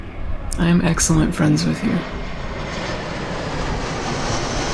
I am excellent friends with you.